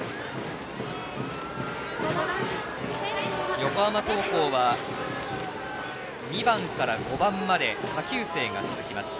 横浜高校は、２番から５番まで下級生が続きます。